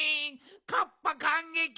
カッパかんげき！